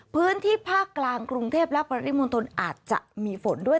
พื้นที่ภาคกลางกรุงเทพและปริมณฑลอาจจะมีฝนด้วย